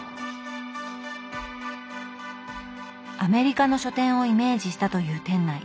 アメリカの書店をイメージしたという店内。